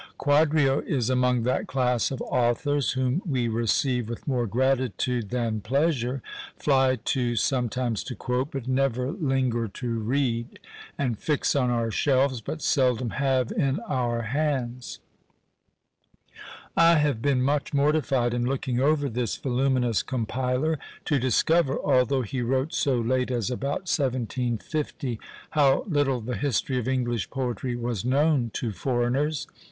Quadrio is among that class of authors whom we receive with more gratitude than pleasure, fly to sometimes to quote, but never linger to read; and fix on our shelves, but seldom have in our hands. I have been much mortified, in looking over this voluminous compiler, to discover, although he wrote so late as about 1750, how little the history of English poetry was known to foreigners.